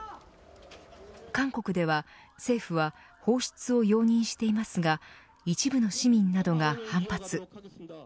韓国では、政府は放出を容認していますが一部の市民などが反発。